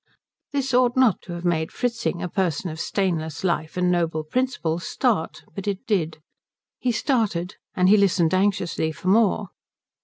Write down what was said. This ought not to have made Fritzing, a person of stainless life and noble principles, start, but it did. He started; and he listened anxiously for more.